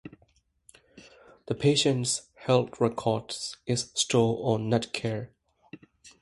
The patient's health record is stored on Netcare.